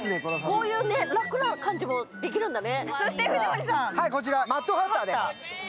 こういう真っくろな感じもできるんだね